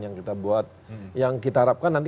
yang kita buat yang kita harapkan nanti